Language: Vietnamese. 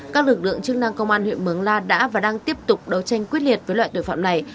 các lực lượng chức năng công an huyện mường la đã và đang tiếp tục đấu tranh quyết liệt với loại tội phạm này